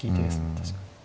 確かに。